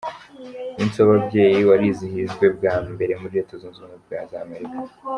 umunsi w’ababyeyi warizihijwe bwa mbere muri Leta zunze ubumwe za Amerika.